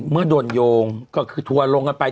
เมื่อโดนโยงก็คือทัวร์ลงกันไป